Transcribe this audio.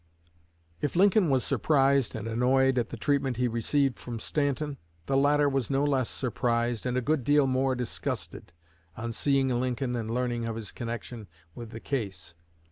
If Lincoln was "surprised and annoyed" at the treatment he received from Stanton, the latter was no less surprised, and a good deal more disgusted, on seeing Lincoln and learning of his connection with the case.